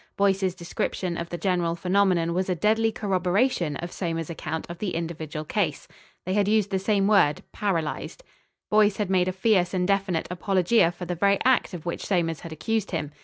Boyce's description of the general phenomenon was a deadly corroboration of Somers's account of the individual case. They had used the same word "paralysed." Boyce had made a fierce and definite apologia for the very act of which Somers had accused him.